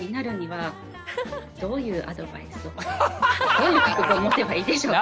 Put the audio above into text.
どういう覚悟を持てばいいでしょうか？